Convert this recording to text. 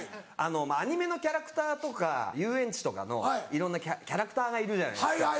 アニメのキャラクターとか遊園地とかのいろんなキャラクターがいるじゃないですか。